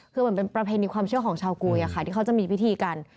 คือเหมือนเป็นประเพณีความเชื่อของชาวกุยที่เขาจะมีพิธีกัน